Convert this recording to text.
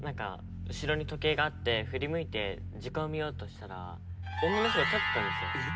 後ろに時計があって振り向いて時間を見ようとしたら女の人が立ってたんですよ。